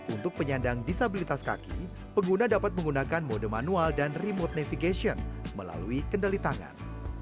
untuk penyandang disabilitas kaki pengguna dapat menggunakan mode manual dan remote navigation melalui kendali tangan